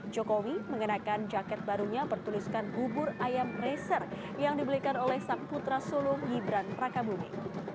jokowi mengenakan jaket barunya bertuliskan hubur ayam racer yang dibelikan oleh saputra solom yibran raka bumi